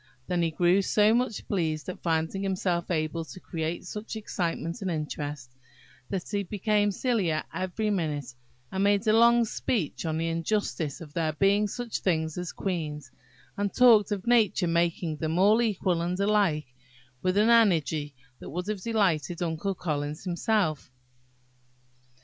Then he grew so much pleased at finding himself able to create such excitement and interest, that he became sillier every minute, and made a long speech on the injustice of there being such things as queens, and talked of nature making them all equal and alike, with an energy that would have delighted Uncle Collins himself.